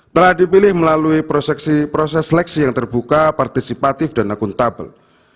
telah dipilih melalui proses seleksi yang terbuka partisipatif dan akuntabel